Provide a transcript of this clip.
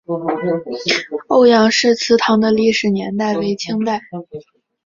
欧阳氏祠堂的历史年代为清代。